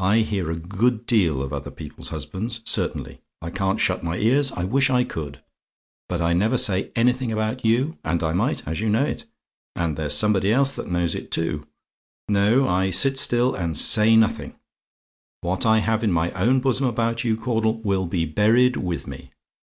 I hear a good deal of other people's husbands, certainly; I can't shut my ears; I wish I could: but I never say anything about you, and I might, and you know it and there's somebody else that knows it, too. No: I sit still and say nothing; what I have in my own bosom about you, Caudle, will be buried with me.